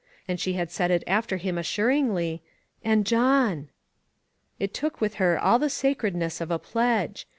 And she had said it after him assuringly : "And John." It took with her all the sacredness of a pledge.